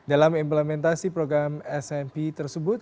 dalam implementasi program smp tersebut